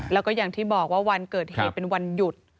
แล้วก็อย่างที่บอกว่าวันเกิดเหตุเป็นวันหยุด